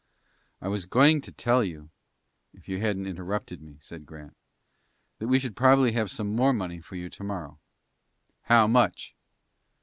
"I was going to tell you, if you hadn't interrupted me," said Grant, "that we should probably have some more money for you to morrow." "How much?"